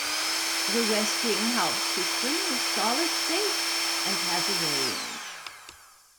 The Westinghouse system is solid state and has a range.